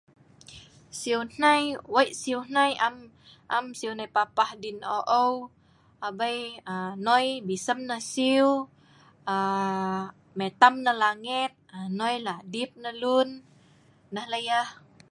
Siu hnai wei siu hnai am siu hnai papah ndin aeu-aeu abei.mai belsem nah siu, mitam nah langet nnoi lak dip nah lun.nah lah yah